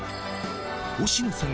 星野さん